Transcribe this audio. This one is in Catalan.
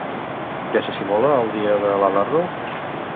Què se simula el dia de l'alardo?